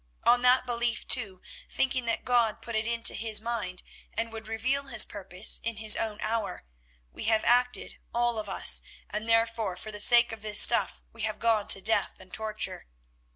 On that belief too, thinking that God put it into his mind, and would reveal His purpose in His own hour, we have acted all of us, and therefore for the sake of this stuff we have gone to death and torture.